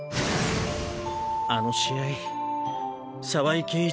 あの試合澤井圭一